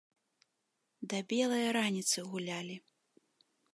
Да белае раніцы гулялі.